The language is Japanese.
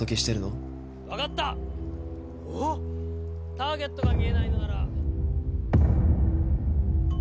「ターゲットが見えないのなら」